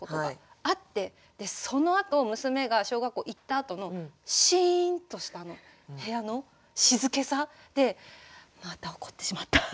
でそのあと娘が小学校行ったあとのシーンとした部屋の静けさでまた怒ってしまった。